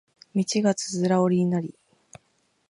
道がつづら折りになり